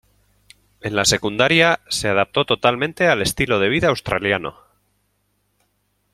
En la secundaría, se adaptó totalmente al estilo de vida Australiano.